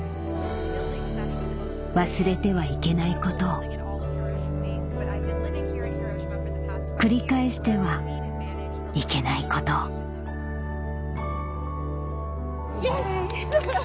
忘れてはいけないことを繰り返してはいけないことをＹｅｓ！